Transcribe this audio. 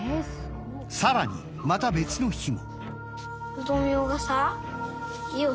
さらにまた別の日も。